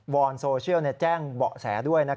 วรรณ์โซเชียลแจ้งบอกแสด้วย